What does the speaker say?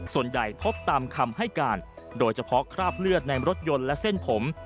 ส่วนใหญ่พบตามคำให้การโดยเฉพาะคราบเลือดในรถยนต์และเส้นผม